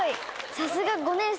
さすが５年生！